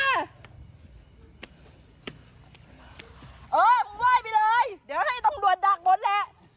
เออมึงไหว้ไปเลยเดี๋ยวให้ตำรวจดักบนแหละ